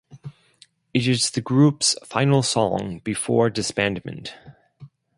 It is the group’s final song before disbandment.